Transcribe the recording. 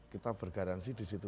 kita bergaransi di situ